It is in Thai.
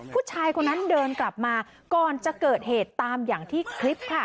ผู้ชายคนนั้นเดินกลับมาก่อนจะเกิดเหตุตามอย่างที่คลิปค่ะ